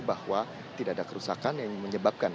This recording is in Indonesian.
bahwa tidak ada kerusakan yang menyebabkan